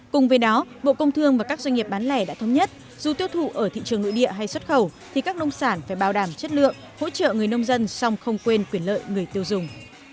cùng với đó bộ công thương và các doanh nghiệp bán lẻ đã thống nhất dù tiêu thụ ở thị trường nội địa hay xuất khẩu thì các nông sản phải bảo đảm chất lượng hỗ trợ người nông dân xong không quên quyền lợi người tiêu dùng